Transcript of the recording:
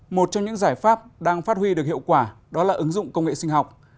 một trong những giải pháp đang phát huy được hiệu quả đó là ứng dụng công nghệ sinh học